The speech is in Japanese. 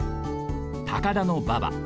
「高田馬場」。